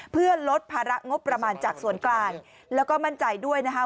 เพื่อลดภาระงบประมาณจากส่วนกลางแล้วก็มั่นใจด้วยนะคะ